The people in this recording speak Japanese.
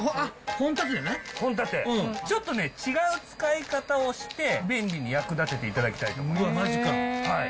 本立て、ちょっとね、違う使い方をして、便利に役立てていただきたいと思います。